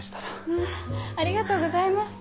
わぁありがとうございます。